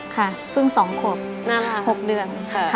ค่ะเพิ่ง๒ครบ๖เดือน